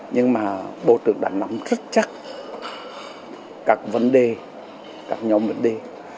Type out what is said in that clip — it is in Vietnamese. nhưng mà bộ trưởng đã nắm rất chắc các vấn đề các nhóm vấn đề